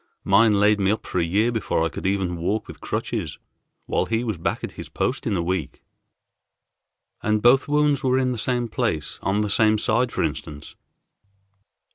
Mine laid me up for a year before I could even walk with crutches, while he was back at his post in a week." "And both wounds were in the same place on the same side, for instance?"